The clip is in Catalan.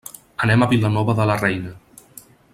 Anem a Vilanova de la Reina.